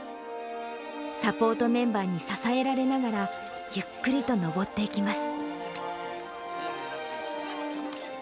サポートメンバーに支えられながら、ゆっくりと登っていきます。